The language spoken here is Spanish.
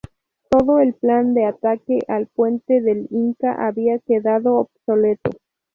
Todo el plan de ataque al puente del Inca había quedado obsoleto.